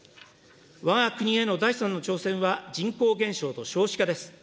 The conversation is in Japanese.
わが国への第３の挑戦は、人口減少と少子化です。